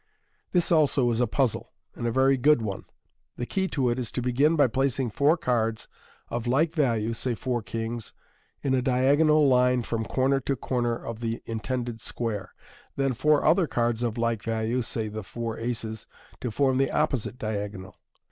— This also is a puzzle, and a very good one. The key to it is to begin by placing four cards of like value (say four kings) in a diagonal line from corner to corner of the intended square, then four other cards of like value (say the foui aces) to form the opposite diagonal.